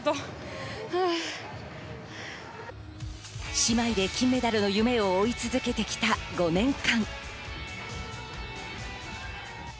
姉妹で金メダルの夢を追い続けてきた５年間。